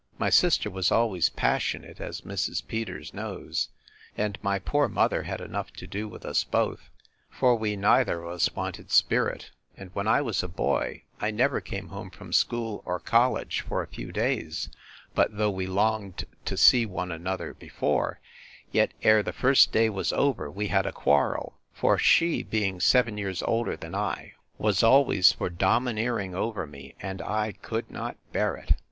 My sister was always passionate, as Mrs. Peters knows: And my poor mother had enough to do with us both. For we neither of us wanted spirit: and when I was a boy, I never came home from school or college for a few days, but though we longed to see one another before, yet ere the first day was over, we had a quarrel; for she, being seven years older than I, was always for domineering over me, and I could not bear it.